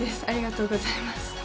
ありがとうございます。